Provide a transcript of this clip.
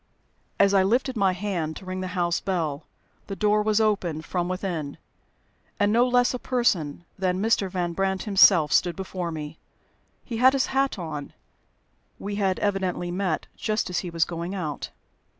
As I lifted my hand to ring the house bell, the door was opened from within, and no less a person than Mr. Van Brandt himself stood before me. He had his hat on. We had evidently met just as he was going out.